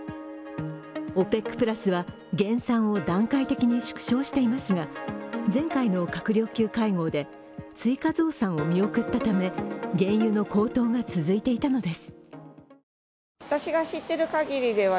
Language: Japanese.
ＯＰＥＣプラスは減産を段階的に縮小していますが前回の閣僚級会合で追加増産を見送ったため、原油の高騰が続いていたのです。